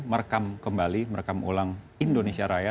merekam kembali merekam ulang indonesia raya